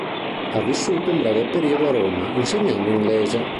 Ha vissuto un breve periodo a Roma insegnando inglese.